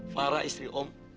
farah istri om